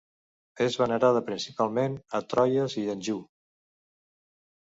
És venerada principalment a Troyes i Anjou.